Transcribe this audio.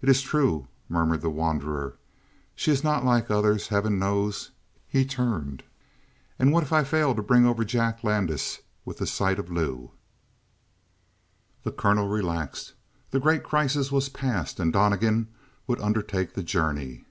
"It is true," murmured the wanderer. "She is not like others, heaven knows!" He turned. "And what if I fail to bring over Jack Landis with the sight of Lou?" The colonel relaxed; the great crisis was past and Donnegan would undertake the journey.